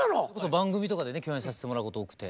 番組とかでね共演させてもらうこと多くて。